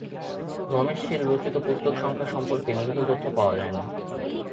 রমেশ শীল রচিত পুস্তক সংখ্যা সম্পর্কে নির্ভূল তথ্য পাওয়া যায় না।